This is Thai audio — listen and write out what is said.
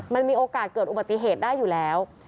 มันมีโอกาสเกิดอุบัติเหตุได้อยู่แล้ว